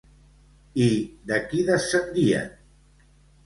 I de qui descendien?